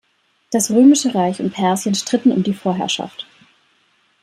Das Römische Reich und Persien stritten um die Vorherrschaft.